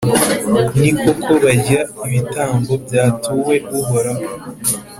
Ni koko, barya ibitambo byatuwe Uhoraho,